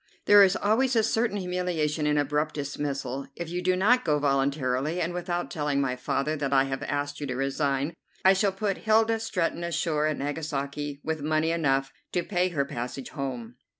"There is always a certain humiliation in abrupt dismissal. If you do not go voluntarily, and without telling my father that I have asked you to resign, I shall put Hilda Stretton ashore at Nagasaki with money enough to pay her passage home."